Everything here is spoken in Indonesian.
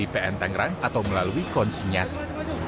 ini semuanya konsinyasi